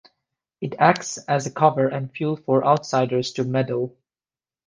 It acts as a cover and fuel for outsiders to meddle.